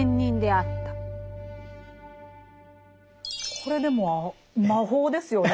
これでも魔法ですよね